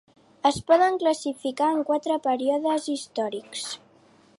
Es poden classificar en quatre períodes històrics.